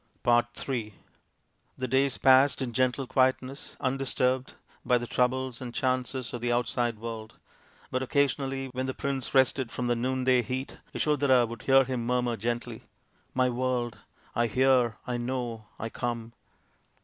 m The days passed in gentle quietness undisturbed by the troubles and chances of the outside world ; but occasionally when the prince rested from the noonday heat Yasodhara would hear him murmur gently, " My world ! I hear ! I know ! I come